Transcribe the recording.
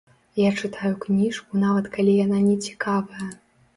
Я чытаю кніжку нават калі яна нецікавая.